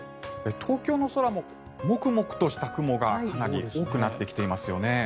東京の空ももくもくとした雲がかなり多くなってきていますね。